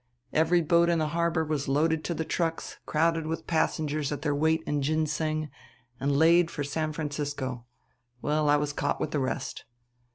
Every boat in the harbor was loaded to the trucks, crowded with passengers at their weight in ginseng, and laid for San Francisco.... Well, I was caught with the rest.